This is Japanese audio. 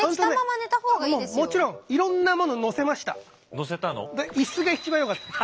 載せたの？